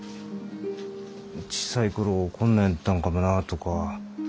小さい頃こんなんやったんかもなあとか